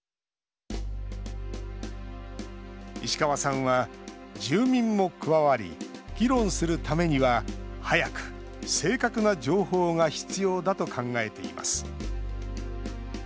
石川さんは住民も加わり議論するためには早く正確な情報が必要だと考えています。